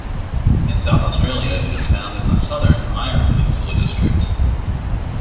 In South Australia it is found in the southern Eyre Peninsula district.